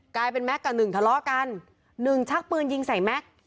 กลายเป็นแม็กซ์กับหนึ่งทะเลาะกันหนึ่งชักปืนยิงใส่แม็กซ์